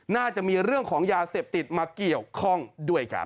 น่าจะมีเรื่องของยาเสพติดมาเกี่ยวข้องด้วยครับ